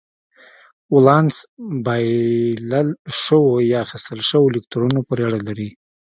ولانس بایلل شوو یا اخیستل شوو الکترونونو پورې اړه لري.